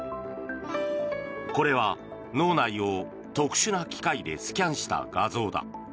これは、脳内を特殊な機械でスキャンした画像だ。